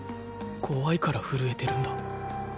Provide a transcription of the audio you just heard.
怖いから震えてるんだ。